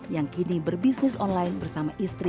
yang kini berbisnis online bersama istri